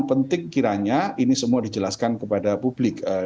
penting kiranya ini semua dijelaskan kepada publik